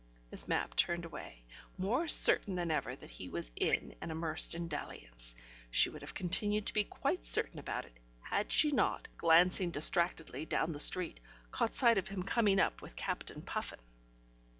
Miss Mapp turned away, more certain than ever that he was in and immersed in dalliance. She would have continued to be quite certain about it, had she not, glancing distractedly down the street, caught sight of him coming up with Captain Puffin.